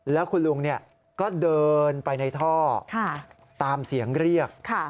แล้วคุณลุงก็เดินไปในท่อตามเสียงเรียก